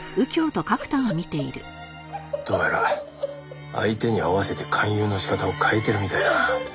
どうやら相手に合わせて勧誘の仕方を変えてるみたいだな。